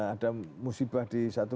ada musibah di satu